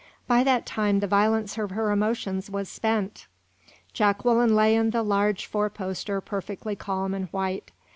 By that time the violence of her emotions was spent; Jacqueline lay in the large four poster perfectly calm and white.